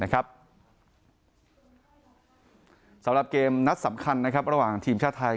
นะครับสำหรับเกมนัดสำคัญนะครับระหว่างทีมชาติไทย